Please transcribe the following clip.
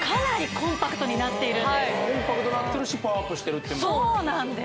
コンパクトになってるしパワーアップしてるそうなんです